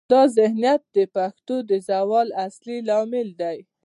دا ذهنیت د پښتو د زوال اصلي لامل دی.